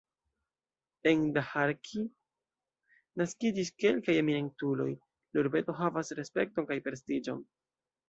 En Daharki naskiĝis kelkaj eminentuloj, la urbeto havas respekton kaj prestiĝon.